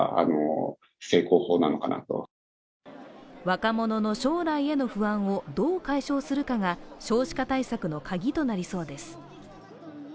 若者の将来への不安をどう解消するかが少子化対策の鍵となりそうです。